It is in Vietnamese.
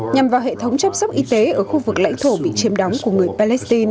nhằm vào hệ thống chăm sóc y tế ở khu vực lãnh thổ bị chiếm đóng của người palestine